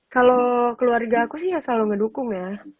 kalau keluarga aku sih ya selalu ngedukung ya